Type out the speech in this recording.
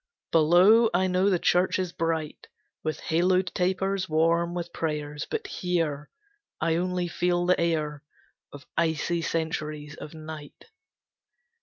Below, I know the church is bright With haloed tapers, warm with prayer; But here I only feel the air Of icy centuries of night.